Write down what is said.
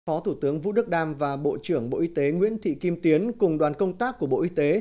phó thủ tướng vũ đức đam và bộ trưởng bộ y tế nguyễn thị kim tiến cùng đoàn công tác của bộ y tế